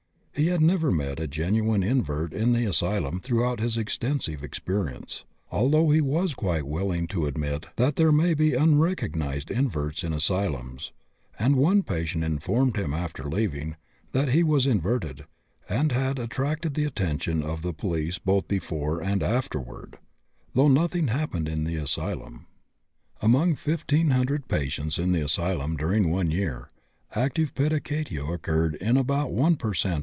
He had never met a genuine invert in the asylum throughout his extensive experience, although he was quite willing to admit that there may be unrecognized inverts in asylums, and one patient informed him, after leaving, that he was inverted, and had attracted the attention of the police both before and afterward, though nothing happened in the asylum. Among 1500 patients in the asylum during one year, active pedicatio occurred in about 1 per cent.